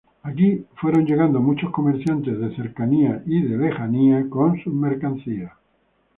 Aquí fueron llegando muchos comerciantes de cerca y de lejos con sus mercancías.